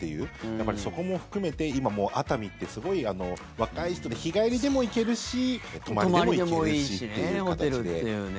やっぱり、そこも含めて今、もう熱海ってすごい、若い人で日帰りでも行けるし泊まりでも行けるしっていう形で。